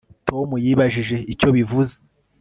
tom yibajije icyo bivuze